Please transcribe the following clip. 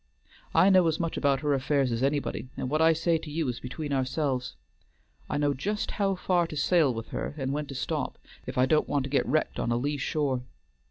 I know as much about her affairs as anybody, and what I say to you is between ourselves. I know just how far to sail with her and when to stop, if I don't want to get wrecked on a lee shore.